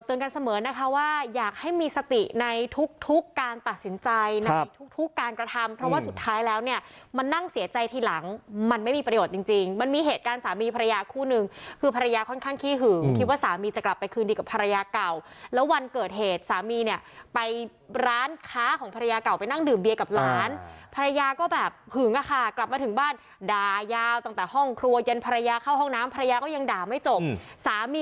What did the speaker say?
ตื่นกันเสมอนะคะว่าอยากให้มีสติในทุกการตัดสินใจในทุกการกระทำเพราะว่าสุดท้ายแล้วเนี่ยมันนั่งเสียใจทีหลังมันไม่มีประโยชน์จริงมันมีเหตุการณ์สามีภรรยาคู่นึงคือภรรยาค่อนข้างขี้หืมคิดว่าสามีจะกลับไปคืนดีกับภรรยาเก่าแล้ววันเกิดเหตุสามีเนี่ยไปร้านค้าของภรรยาเ